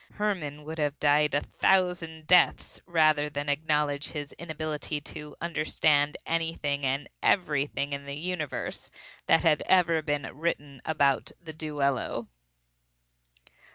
Hermann would have died a thousand deaths rather than acknowledge his inability to understand anything and everything in the universe that had ever been written about the duello.